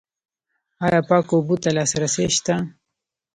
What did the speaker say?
آیا پاکو اوبو ته لاسرسی شته؟